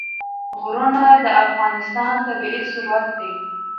غرونه د افغانستان طبعي ثروت دی.